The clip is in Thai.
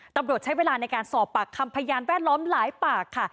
ตำรวจใช้เวลาในการสอบปากคำพยานแวดล้อมหลายปากค่ะ